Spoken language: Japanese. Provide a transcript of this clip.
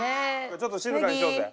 ちょっと静かにしようぜ。